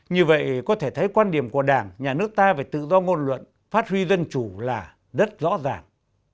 như vậy có thể thấy quan điểm của đảng nhà nước ta về tự do ngôn luận phát huy dân chủ là rất rõ ràng